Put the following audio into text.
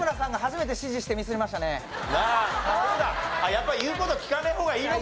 やっぱ言う事聞かない方がいいのかな？